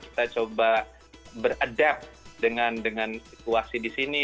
kita coba beradap dengan situasi di sini